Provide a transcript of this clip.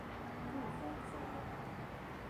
Pauvre empereur !